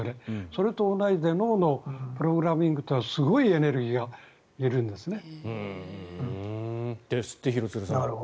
それと同じで脳のプログラムというのはすごいエネルギーがいるんですね。